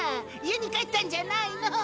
家に帰ったんじゃないの？